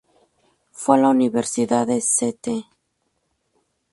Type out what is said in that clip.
Fue a la universidad de St.